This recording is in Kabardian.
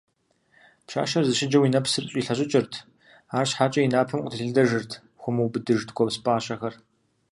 Пщащэр зэщыджэурэ и нэпсыр щӀилъэщӀыкӀыжырт, арщхьэкӀэ, и напэм къытелъэдэжырт хуэмыубыдыж ткӀуэпс пӀащэхэр.